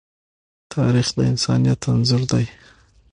تاریخ د انسانیت انځور دی.